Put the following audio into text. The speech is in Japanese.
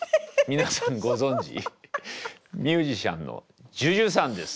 皆さんご存じミュージシャンのＪＵＪＵさんです。